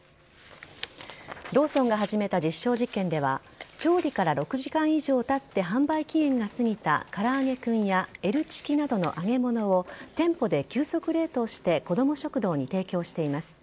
ローソンが始めた実証実験では、調理から６時間以上たって販売期限が過ぎたからあげクンやＬチキなどの揚げ物を、店舗で急速冷凍して、子ども食堂に提供しています。